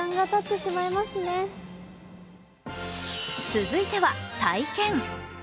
続いては体験。